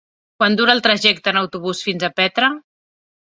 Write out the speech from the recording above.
Quant dura el trajecte en autobús fins a Petra?